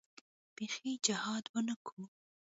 بيخي جهاد ونه کو.